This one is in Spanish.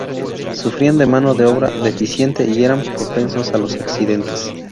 Sufrían de mano de obra deficiente y eran propensos a los accidentes.